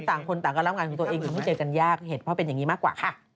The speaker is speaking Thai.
ต่างคนต่างการรับงานของตัวเองถึงเพิ่งเจอกันยากเหตุเพราะเป็นอย่างนี้มากกว่าค่ะ